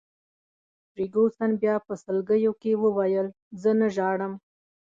فرګوسن بیا په سلګیو کي وویل: زه نه ژاړم.